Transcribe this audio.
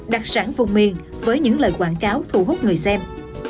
đặc sản vùng miền với những lời quảng cáo thu hút người xem